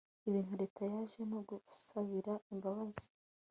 ibintu leta yaje no gusabira imbabazi